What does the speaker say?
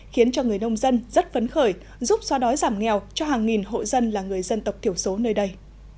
khiến cho người nông dân rất phấn khởi giúp xóa đói giảm nghèo cho hàng nghìn hộ dân là người dân tộc thiểu số nơi đây